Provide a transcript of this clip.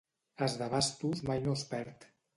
As de bastos mai no es perd.